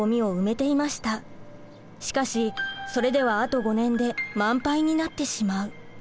しかしそれではあと５年で満杯になってしまう。